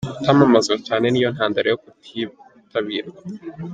Kutamamazwa cyane niyo ntandaro yo kutitabirwa?.